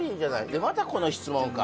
で「またこの質問か」